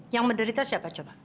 yang menderita siapa coba